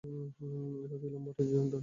এটা দিলাম দাড়ির জন্য।